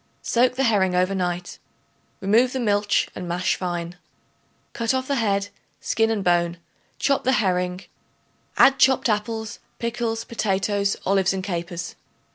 Soak the herring over night; remove the milch and mash fine. Cut off the head, skin and bone; chop the herring; add chopped apples, pickles, potatoes, olives and capers.